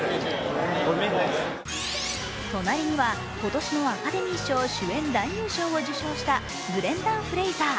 隣には今年のアカデミー賞主演男優賞を受賞したブレンダン・フレイザー。